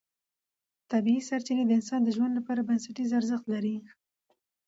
طبیعي سرچینې د انسان د ژوند لپاره بنسټیز ارزښت لري